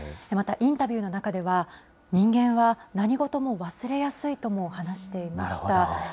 またインタビューの中では、人間は何事も忘れやすいとも話していました。